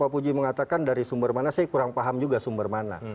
pak puji mengatakan dari sumber mana saya kurang paham juga sumber mana